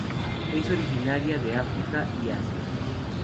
Es originaria de África y Asia.